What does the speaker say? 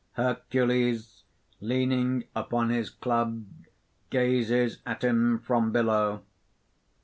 _ _Hercules, leaning upon his club, gazes at him from below.